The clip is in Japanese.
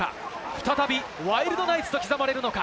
再びワイルドナイツと刻まれるのか？